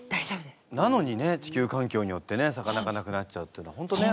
なのにね地球環境によってね魚がなくなっちゃうっていうのは本当ね。